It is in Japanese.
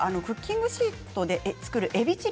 クッキングシートで作るえび